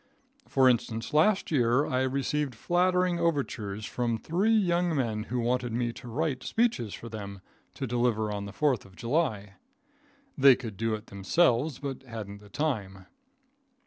For instance, last year I received flattering overtures from three young men who wanted me to write speeches for them to deliver on the Fourth of July. They could do it themselves, but hadn't the time.